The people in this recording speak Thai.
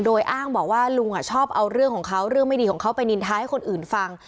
โดยอ้างบอกว่าลุงชอบเอาเรื่องของเขาเรื่องไม่ดีของเขาไปนินทาให้คนอื่นฟัง